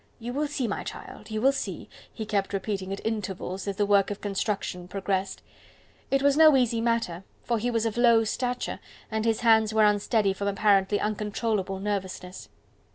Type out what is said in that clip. "You will see, my child, you will see!" he kept repeating at intervals as the work of construction progressed. It was no easy matter, for he was of low stature, and his hands were unsteady from apparently uncontrollable nervousness.